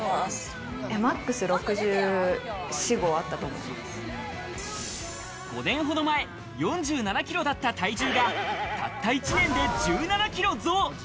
あったと思５年ほど前、４７キロだった体重が、たった１年で１７キロ増。